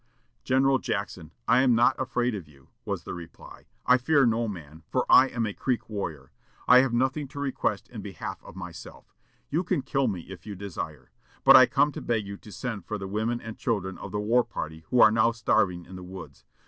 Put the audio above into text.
"General Jackson, I am not afraid of you," was the reply. "I fear no man, for I am a Creek warrior. I have nothing to request in behalf of myself. You can kill me, if you desire. But I come to beg you to send for the women and children of the war party, who are now starving in the woods.